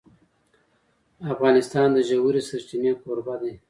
افغانستان د ژورې سرچینې کوربه دی.